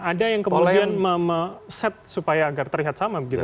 ada yang kemudian set supaya agar terlihat sama begitu